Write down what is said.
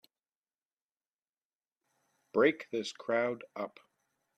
Break this crowd up!